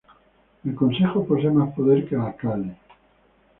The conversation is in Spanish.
El consejo posee más poder que el alcalde.